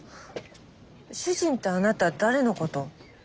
主人ってあなた誰のことを？